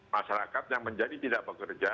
masyarakat yang menjadi tidak bekerja